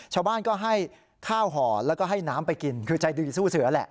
ชาวบ้านก็ให้ข้าวห่อแล้วก็ให้น้ำไปกินคือใจดีสู้เสือแหละ